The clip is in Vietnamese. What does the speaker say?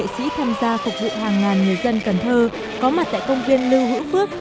sĩ tham gia phục vụ hàng ngàn người dân cần thơ có mặt tại công viên lưu hữu phước